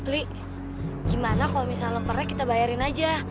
li gimana kalau misalnya lempernya kita bayarin aja